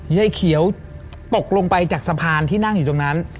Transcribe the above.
ยายเขียวตกลงไปจากสะพานที่นั่งอยู่ตรงนั้น